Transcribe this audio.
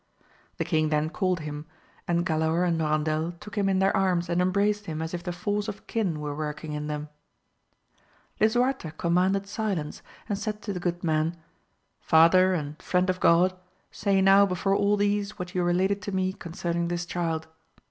The king then called him, and Galaor and Norandel took him in their arms and embraced him as if the force of kin were working in them. Lisuarte commanded silence and said to the good man. Father and friend of (jod, say now before all these what you related to me concerning this child.